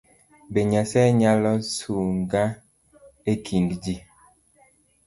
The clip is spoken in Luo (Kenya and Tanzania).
Be Nyasaye nyalo sunga ekind ji?